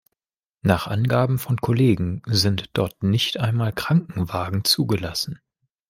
Nach Angaben von Kollegen sind dort nicht einmal Krankenwagen zugelassen.